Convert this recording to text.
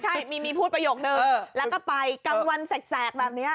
ใช่มีพูดประโยคนึงแล้วก็ไปกลางวันแสกแบบนี้